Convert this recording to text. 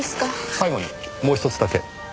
最後にもうひとつだけ。